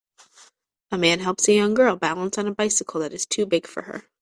A man helps a young girl balance on a bicycle that is too big for her.